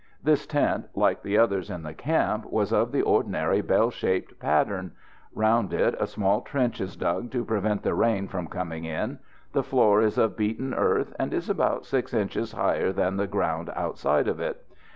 This tent, like the others in the camp, was of the ordinary bell shaped pattern. Round it a small trench is dug to prevent the rain from coming in. The floor is of beaten earth, and is about 6 inches higher than the ground outside of it.